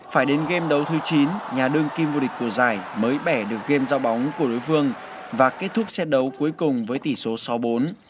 phải đến game đấu thứ chín nhà đương kim vô địch của giải mới bẻ được game giao bóng của đối phương và kết thúc xét đấu cuối cùng với tỷ số sáu bốn